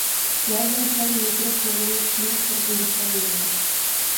ياردەمچىلەرگە مىكروب توغرۇلۇق قانداقتۇر بۇيرۇقلارنى بەردى.